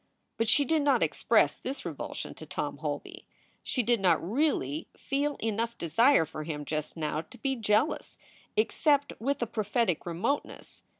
But she did not express this revulsion to Tom Holby. She did not really feel enough desire for him just now to be jealous, except with a prophetic remoteness.